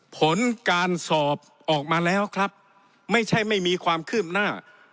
ผลการสอบออกมาแล้วครับไม่ใช่ไม่มีความคืบหน้า